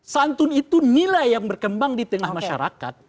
santun itu nilai yang berkembang di tengah masyarakat